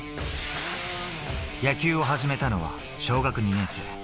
野球を始めたのは小学２年生。